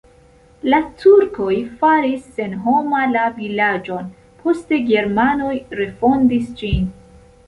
La turkoj faris senhoma la vilaĝon, poste germanoj refondis ĝin.